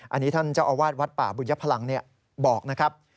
อันนี้ท่านเจ้าอาวาสวัดป่าบุญยพลังบอกนะครับ